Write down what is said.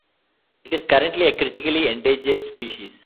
It is currently a critically endangered species.